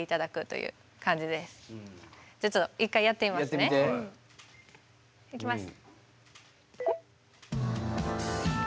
いきます。